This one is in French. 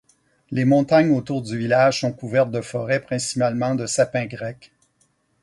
Les montagnes autour du village sont couvertes de forêts, principalement de sapins grecs.